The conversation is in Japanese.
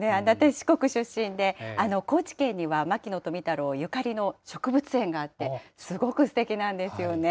四国出身で高知県には、牧野富太郎ゆかりの植物園があって、すごくすてきなんですよね。